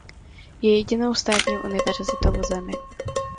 Je jedinou státní univerzitou v zemi.